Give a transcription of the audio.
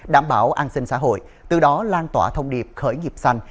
đảm bảo an sinh xã hội từ đó lan tỏa thông điệp khởi nghiệp xanh